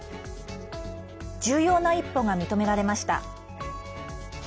重要な一歩が認められました。